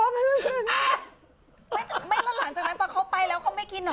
แล้วหลังจากนั้นตอนเขาไปแล้วเขาไม่กินเหรอ